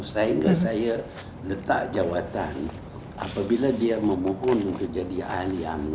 sehingga saya letak jawatan apabila dia memohon untuk jadi ahli umno